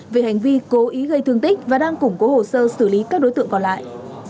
về hành vi cố ý gây thương tích và đang củng cố hồ sơ xử lý các đối tượng còn lại